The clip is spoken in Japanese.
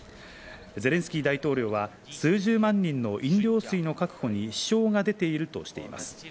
ゼレンスキー大統領は数十万人の飲料水の確保に支障が出ているとしています。